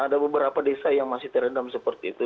ada beberapa desa yang masih terendam seperti itu